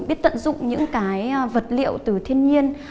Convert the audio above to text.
biết tận dụng những vật liệu từ thiên nhiên